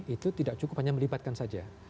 itu tidak cukup hanya melibatkan saja